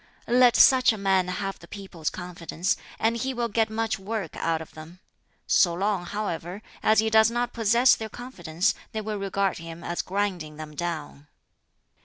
"Let such a man have the people's confidence, and he will get much work out of them; so long, however, as he does not possess their confidence they will regard him as grinding them down.